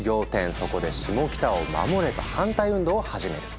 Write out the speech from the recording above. そこで「シモキタを守れ！」と反対運動を始める。